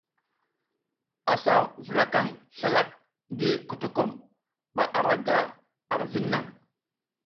A sa vula kan slalak ngii kotokom ba ara ga ar viŋ naŋ.